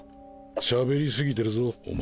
しゃべり過ぎてるぞお前。